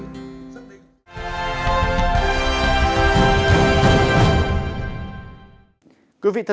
s doubles gạo cải